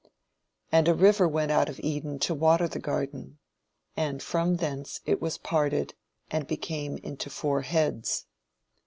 "And a river went out of Eden to water the garden; and from thence it was parted and became into four heads.